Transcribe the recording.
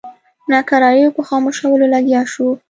ناکراریو په خاموشولو لګیا شو.